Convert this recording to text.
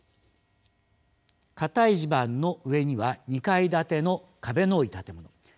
かたい地盤の上には２階建ての壁の多い建物。